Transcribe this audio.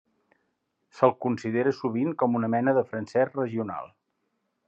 Se'l considera sovint com una mena de francès regional.